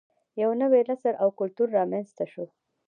یو نوی نسل او کلتور رامینځته شو